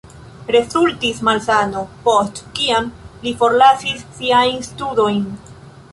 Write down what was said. Rezultis malsano, post kiam li forlasis siajn studojn.